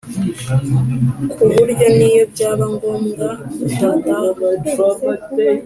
ku buryo niyo byaba ngombwa mutataha